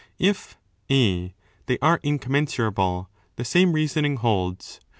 If (a) they are zzcom mensurable the same reasoning holds.